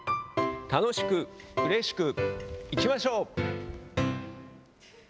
楽しく、うれしく、いきましょう。